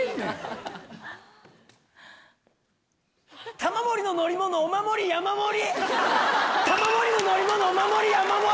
玉森の乗り物お守り山盛り。